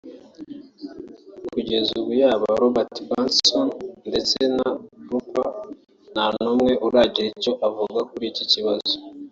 Kugeza ubu yaba Robert Pattinson ndetse na Ruper nta n’umwe uragira icyo avuga kuri iki kibazo